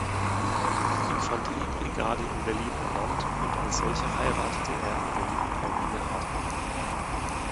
Infanterie-Brigade in Berlin ernannt und als solcher heiratete er in Berlin Pauline Hartmann.